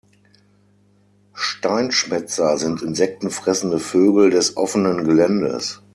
Steinschmätzer sind insektenfressende Vögel des offenen Geländes.